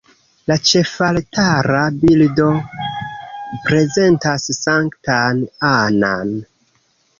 La ĉefaltara bildo prezentas Sanktan Annan.